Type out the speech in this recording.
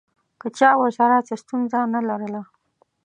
که چا ورسره څه ستونزه نه لرله.